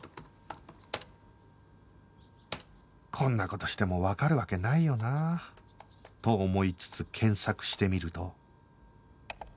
こんな事してもわかるわけないよなあと思いつつ検索してみると